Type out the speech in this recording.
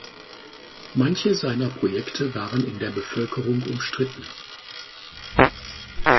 Manche seiner Projekte waren in der Bevölkerung umstritten.